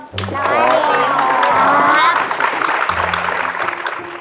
สวัสดีครับ